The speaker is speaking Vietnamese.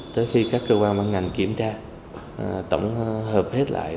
tới khi các cơ quan ban ngành kiểm tra tổng hợp hết lại